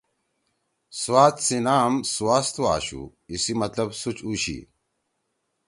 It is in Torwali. سوات سی نام سواستُو آشُو۔ ای سی مطلب سُوچ اُو چھی۔